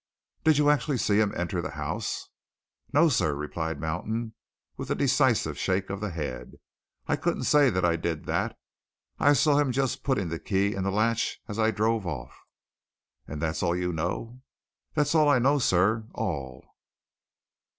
"Did you actually see him enter the house?" "No, sir," replied Mountain, with a decisive shake of the head. "I couldn't say that I did that. I saw him just putting the key in the latch as I drove off." "And that's all you know?" "That's all I know, sir all."